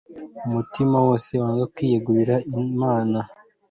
Umutima wose wanga kwiyegurira Imana,